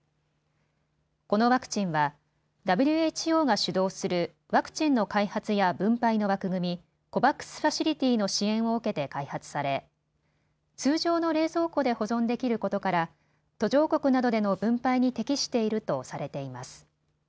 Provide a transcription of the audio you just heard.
このワクチンはＷＨＯが主導するワクチンの開発や分配の枠組み、ＣＯＶＡＸファシリティの支援を受けて開発され通常の冷蔵庫で保存できることから途上国などでの分配に適しているとされています。